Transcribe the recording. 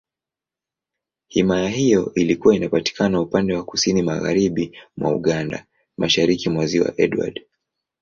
Himaya hiyo ilikuwa inapatikana upande wa Kusini Magharibi mwa Uganda, Mashariki mwa Ziwa Edward.